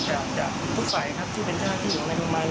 จากทุกฝ่ายที่เป็นเช่นอาทิตย์ของในโรงพยาบาล